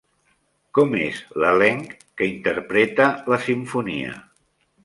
Com és l'elenc que interpreta la simfonia?